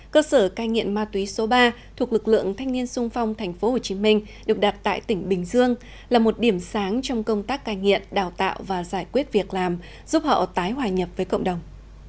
cơ sở cai nghiện ma túy số ba thuộc lực lượng thanh niên sung phong tp hcm được đặt tại tỉnh bình dương là một điểm sáng trong công tác cai nghiện đào tạo và giải quyết việc làm giúp họ tái hòa nhập với cộng đồng